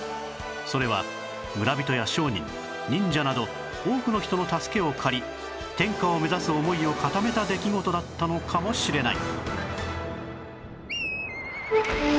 それは村人や商人忍者など多くの人の助けを借り天下を目指す思いを固めた出来事だったのかもしれない